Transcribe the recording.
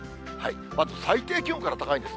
まず最低気温から高いんです。